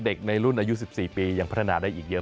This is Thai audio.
ในรุ่นอายุ๑๔ปียังพัฒนาได้อีกเยอะ